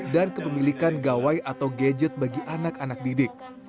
dan kepemilikan gawai atau gadget bagi anak anak didik